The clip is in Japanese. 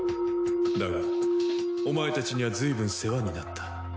だがお前たちにはずいぶん世話になった。